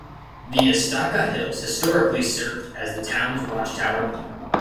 The Estaca Hills historically served as the town's watch tower.